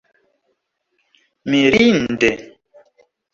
mirinde